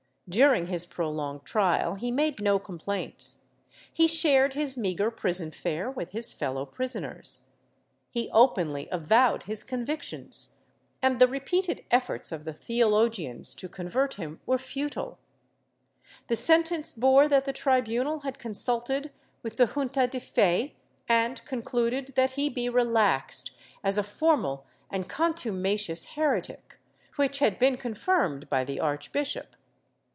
During his prolonged trial he made no complaints; he shared his meagre prison fare wdth his fellow prisoners; he openly avovv'ed his con victions, and the repeated efforts of the theologians to convert him were futile. The sentence bore that the tribunal had consulted with the Junta de Fe and concluded that he be relaxed, as a formal and contumacious heretic, which had been confirmed by the archbishop.